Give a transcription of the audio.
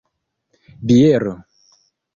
biero